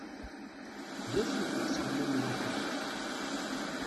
D acu i tettxemmimeḍ akka?